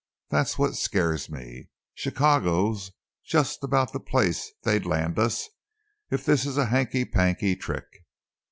That's what scares me. Chicago's just about the place they'd land us, if this is a hanky panky trick.